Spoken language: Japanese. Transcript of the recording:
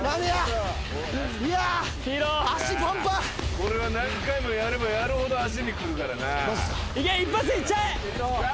これは何回もやればやるほど足にくるからな。